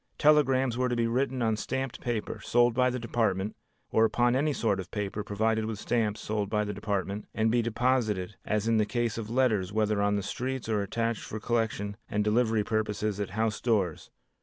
Telegrams were to be written on stamped paper, sold by the Department, or upon any sort of paper provided with stamps sold by the Department, and be deposited as in the case of letters whether on the streets or attached for collection and delivery purposes at house doors.